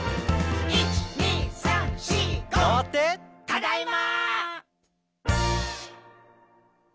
「ただいま！」